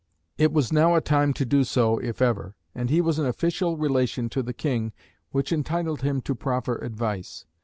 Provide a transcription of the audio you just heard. It was now a time to do so, if ever; and he was in an official relation to the King which entitled him to proffer advice.